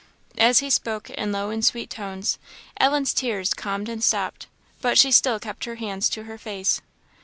" As he spoke in low and sweet tones, Ellen's tears calmed and stopped; but she still kept her hands to her face.